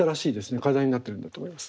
課題になっているんだと思います。